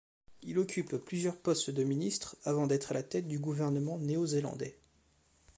Il occupe plusieurs postes de ministre avant d'être à la tête du gouvernement néo-zélandais.